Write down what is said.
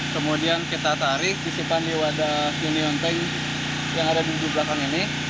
kemudian kita tarik disimpan di wadah union tank yang ada di belakang ini